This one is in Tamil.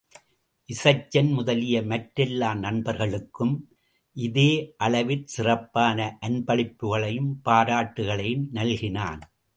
இசைச்சன் முதலிய மற்றெல்லா நண்பர்களுக்கும் இதே அளவிற் சிறப்பான அன்பளிப்புக்களையும் பாராட்டுக்களையும் நல்கினான்.